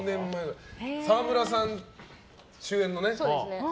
沢村さん主演の。